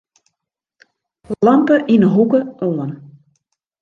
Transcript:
Lampe yn 'e hoeke oan.